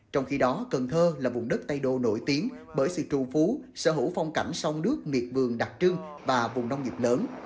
trong khi đó cần thơ là vùng đất tây đô nổi tiếng bởi sự trù phú sở hữu phong cảnh sông nước miệt vườn đặc trưng và vùng nông nghiệp lớn